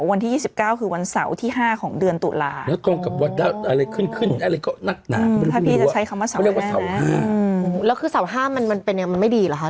วันที่ยี่สิบเกล้าคือวันเสาที่ห้าของเดือนตุลาคม